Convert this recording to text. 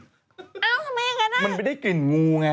เอ้าทำไมอย่างนั้นมันไม่ได้กลิ่นงูไง